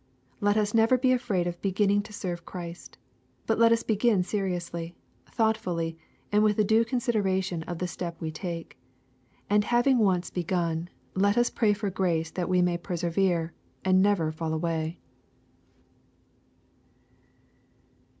Let us never be afraid of beginning to serve Christ. But let us begin seriously, thoughtfully, and with a due consideration of the step we take. And having once begun, let us pray for grace that we may persevere, and never fall away.